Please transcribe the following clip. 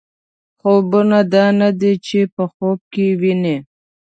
خوبونه دا نه دي چې په خوب کې یې وینئ.